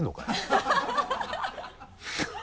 ハハハ